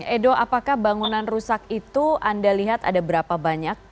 edo apakah bangunan rusak itu anda lihat ada berapa banyak